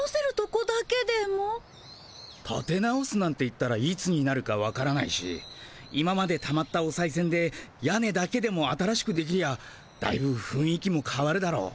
たて直すなんて言ったらいつになるかわからないし今までたまったおさいせんで屋根だけでも新しくできりゃだいぶふんい気もかわるだろう。